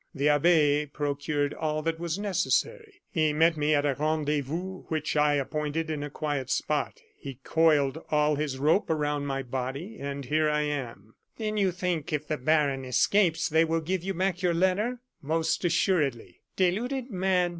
The abbe procured all that was necessary; he met me at a rendezvous which I appointed in a quiet spot; he coiled all his rope about my body, and here I am." "Then you think if the baron escapes they will give you back your letter?" "Most assuredly." "Deluded man!